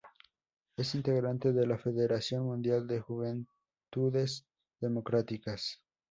Es integrante de la Federación Mundial de Juventudes Democráticas.